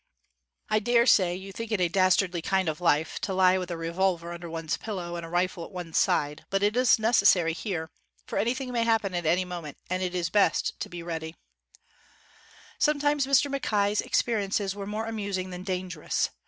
I dare say you think it a dastardly kind of life, to lie with a revolver under one's pillow and a rifle at one's side, but it is necessary here, for anything may happen at any moment, and it is best to be ready." 63 WHITE MAN OF WORK Sometimes Mr. Mackay's experiences were more amusing than dangerous.